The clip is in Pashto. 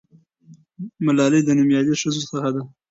ملالۍ د نومیالۍ ښځو څخه ده.